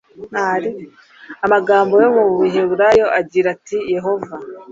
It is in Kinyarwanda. amagambo yo mu baheburayo agira ati yehova